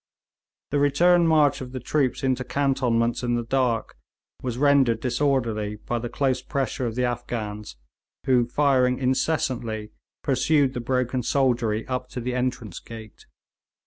The return march of the troops into cantonments in the dark, was rendered disorderly by the close pressure of the Afghans, who, firing incessantly, pursued the broken soldiery up to the entrance gate.